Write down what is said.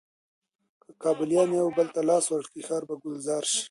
که کابليان یو بل ته لاس ورکړي، ښار به ګلزار شي.